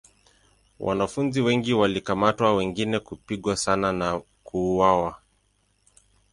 Wanafunzi wengi walikamatwa wengine kupigwa sana na kuuawa.